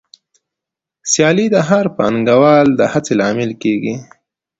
سیالي د هر پانګوال د هڅې لامل کېږي